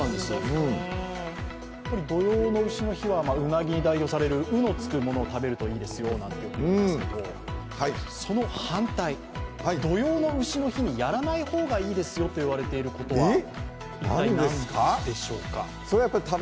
土用の丑の日はうなぎに代表される「う」のつくものを食べるといいですよなんて言われますけどその反対、土用の丑の日にやらない方がいいですよと言われていることは何でしょうか？